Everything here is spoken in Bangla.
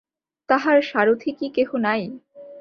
তাহার সারথি কি কেহ নাই?